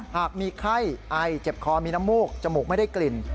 หากมีไข้ไอเจ็บคอมีน้ำมูกจมูกไม่ได้กลิ่น